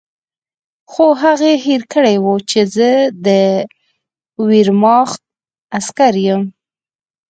خو هغې هېر کړي وو چې زه د ویرماخت عسکر یم